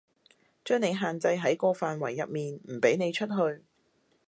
將你限制喺個範圍入面，唔畀你出去